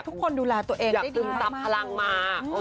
ทุกคนดูลาตัวเองได้ดีกว่าอยากซึมทับพลังมา